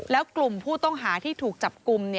แล้วกลุ่มผู้ต้องหาที่ถูกจับกลุ่ม